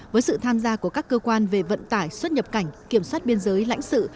với sự tham gia của các cơ quan về vận tải xuất nhập cảnh kiểm soát biên giới lãnh sự